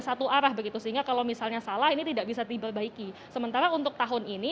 satu arah begitu sehingga kalau misalnya salah ini tidak bisa diperbaiki sementara untuk tahun ini